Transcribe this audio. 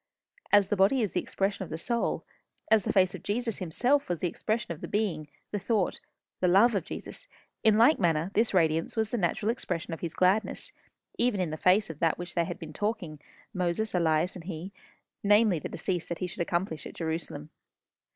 As the body is the expression of the soul, as the face of Jesus himself was the expression of the being, the thought, the love of Jesus in like manner this radiance was the natural expression of his gladness, even in the face of that of which they had been talking Moses, Elias, and he namely, the decease that he should accomplish at Jerusalem.